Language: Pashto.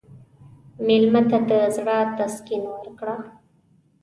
مېلمه ته د زړه تسکین ورکړه.